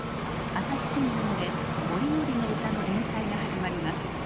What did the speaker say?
朝日新聞で「折々のうた」の連載が始まります。